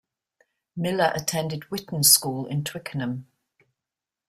Miller attended Whitton School in Twickenham.